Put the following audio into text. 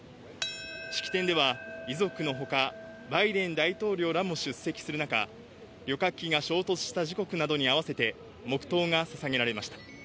式典では遺族の他バイデン大統領らも出席する中旅客機が衝突した時刻などに合わせて黙祷が捧げられました。